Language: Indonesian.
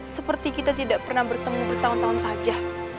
seperti kita tidak pernah bertemu bertahun tahun saja